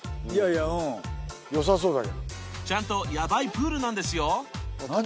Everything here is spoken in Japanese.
いやいやうんよさそうだけどちゃんとヤバいプールなんですよ